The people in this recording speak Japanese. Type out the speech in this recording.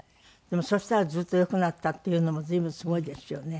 でもそしたらずっと良くなったっていうのも随分すごいですよね。